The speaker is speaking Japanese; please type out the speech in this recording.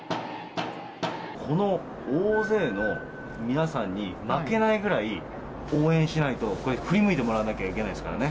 この大勢の皆さんに負けないぐらい応援しないと、これ、振り向いてもらわないといけないですからね。